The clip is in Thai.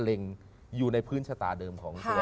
เล็งอยู่ในพื้นชะตาเดิมของตัว